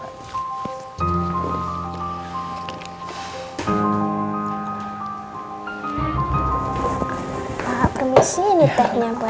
pak permisi ini tehnya pak